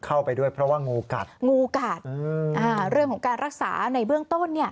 เข้าไปด้วยเพราะว่างูกัดงูกัดอืมอ่าเรื่องของการรักษาในเบื้องต้นเนี่ย